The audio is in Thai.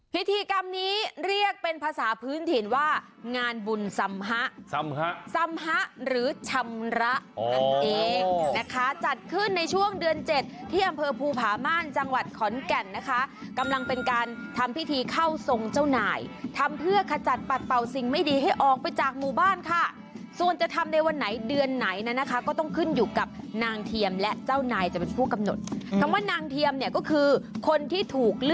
พิธีกรรมนี้เรียกเป็นภาษาพื้นถิ่นว่างานบุลสำหะสำหะสำหะหรือชำระนั่นเองนะคะจัดขึ้นในช่วงเดือนเจ็ดที่อำเภอภูผาม่านจังหวัดขอนแก่นนะคะกำลังเป็นการทำพิธีเข้าทรงเจ้านายทำเพื่อขจัดปัดเป่าสิ่งไม่ดีให้ออกไปจากหมู่บ้านค่ะส่วนจะทำในวันไหนเดือนไหนน่ะนะคะก็ต้องขึ้นอยู่ก